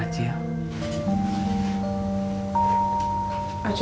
kamu dari mana cil